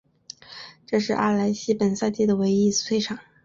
这是阿莱西本赛季的唯一一次退赛。